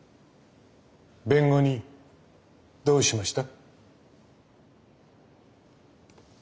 弁護人どうしました？